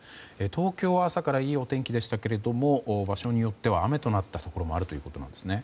東京は朝からいいお天気でしたけども場所によっては雨となったところもあるということなんですね。